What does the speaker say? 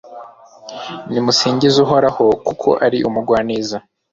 nimusingize uhoraho, kuko ari umugwaneza